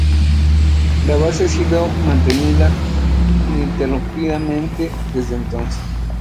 La base ha sido mantenida ininterrumpidamente desde entonces.